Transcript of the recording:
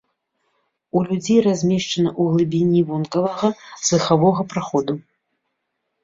У людзей размешчана ў глыбіні вонкавага слыхавога праходу.